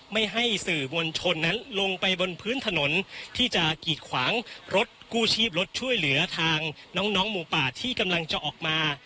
ไม่ให้สื่อมวลชนนั้นลงไปบนพื้นถนนที่จะกีดขวางรถกู้ชีพรถช่วยเหลือทางน้องหมูป่าที่กำลังจะออกมา